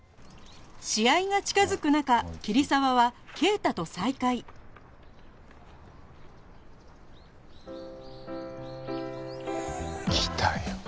試合が近づく中桐沢は圭太と再会来たよ。